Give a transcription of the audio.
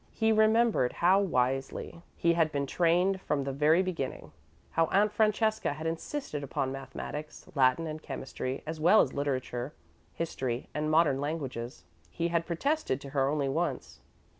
He remembered how wisely he had been trained from the very beginning; how Aunt Francesca had insisted upon mathematics, Latin, and chemistry, as well as literature, history, and modern languages. He had protested to her only once.